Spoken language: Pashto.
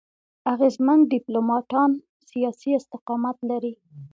اغېزمن ډيپلوماټان سیاسي استقامت لري.